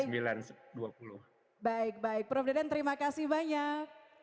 baik baik prof deden terima kasih banyak